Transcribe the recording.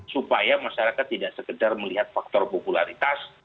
supaya masyarakat tidak sekedar melihat faktor popularitas